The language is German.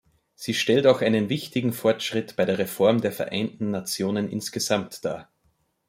Sie stellt auch einen wichtigen Fortschritt bei der Reform der Vereinten Nationen insgesamt dar.